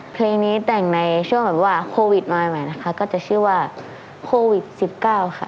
เพลงนี้แต่งในช่วงแบบว่าโควิดมาใหม่นะคะก็จะชื่อว่าโควิด๑๙ค่ะ